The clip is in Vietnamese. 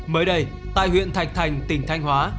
mới đây tại huyện thạch thành tỉnh thanh hóa